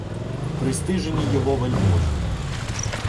Пристижені його вельможі